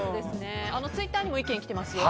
ツイッターにも意見が来てますよ。